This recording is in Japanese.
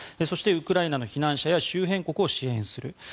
そして、ウクライナの支援者や周辺国を支援する。